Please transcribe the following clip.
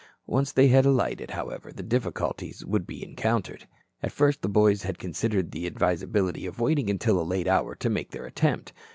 Once they had alighted, however, the difficulties would be encountered. At first the boys had considered the advisability of waiting until a late hour to make their attempt.